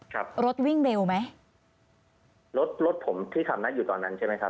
ครับรถวิ่งเร็วไหมรถรถผมที่ทำหน้าที่อยู่ตอนนั้นใช่ไหมครับ